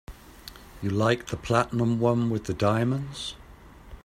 You liked the platinum one with the diamonds.